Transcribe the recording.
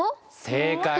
正解！